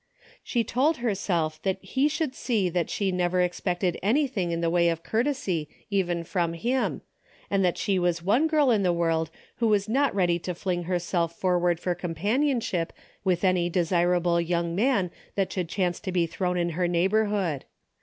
She told herself that he should see that she never expected anything in the way of courtesy even from him, and that she was one girl in the world, who was not ready to fling herself forward for com panionship with any desirable young man that should chance to be thrown in her neighbor hood.